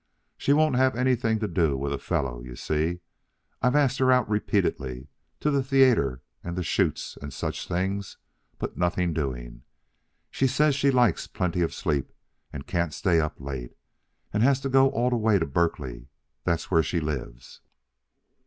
She won't have anything to do with a fellow, you see. I've asked her out repeatedly, to the theatre and the chutes and such things. But nothing doing. Says she likes plenty of sleep, and can't stay up late, and has to go all the way to Berkeley that's where she lives."